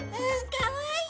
かわいい！